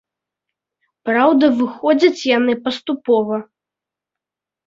Праўда, выходзяць яны паступова.